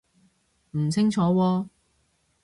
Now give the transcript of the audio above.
唔清楚喎